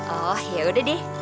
oh yaudah deh